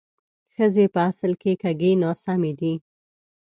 ښځې په اصل کې کږې ناسمې دي